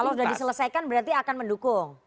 kalau sudah diselesaikan berarti akan mendukung